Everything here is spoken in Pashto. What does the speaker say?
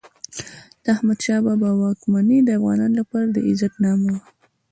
د احمدشاه بابا واکمني د افغانانو لپاره د عزت زمانه وه.